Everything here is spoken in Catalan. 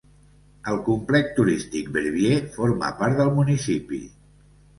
El complex turístic Verbier forma part del municipi.